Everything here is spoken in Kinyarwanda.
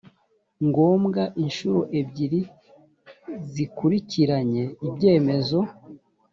ngombwa inshuro ebyiri zikurikiranye ibyemezo